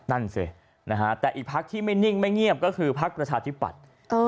นั่นสิแต่อีกภักดิ์ที่ไม่นิ่งไม่เงียบก็คือภักดิ์ประชาธิปัตย์